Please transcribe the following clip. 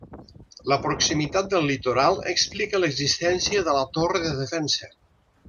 La proximitat del litoral explica l'existència de la torre de defensa.